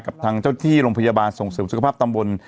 กับทางเจ้าที่โรงพยาบาลส่งเสริมสุขภาพตำบล